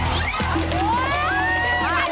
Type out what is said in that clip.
อีกแล้ว